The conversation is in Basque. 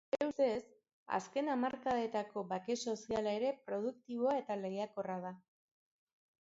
Bere ustez, azken hamarkadetako bake soziala ere produktiboa eta lehiakorra da.